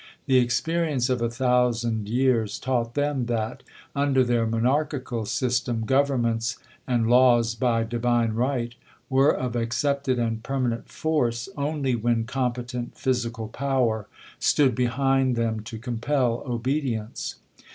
The experience of a thousand years taught them that, under their monarchical system, governments and laws by " divine right " were of accepted and per manent force only when competent physical power stood behind them to compel obedience.